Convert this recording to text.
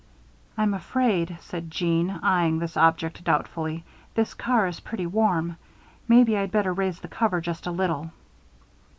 "I'm afraid," said Jeanne, eying this object, doubtfully, "this car is pretty warm. Maybe I'd better raise the cover just a little."